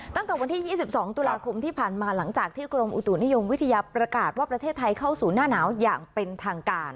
ตั้งแต่วันที่๒๒ตุลาคมที่ผ่านมาหลังจากที่กรมอุตุนิยมวิทยาประกาศว่าประเทศไทยเข้าสู่หน้าหนาวอย่างเป็นทางการ